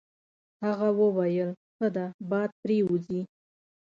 هغه وویل: ښه ده باد پرې وځي.